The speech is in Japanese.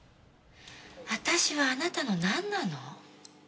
私はあなたの何なの？